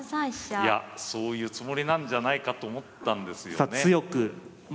いやそういうつもりなんじゃないかと思ったんですよね。